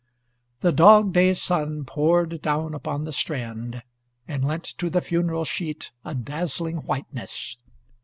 The dog day sun poured down upon the strand, and lent to the funeral sheet a dazzling whiteness.